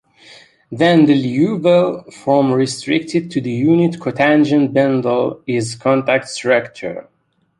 Then the Liouville form restricted to the unit cotangent bundle is a contact structure.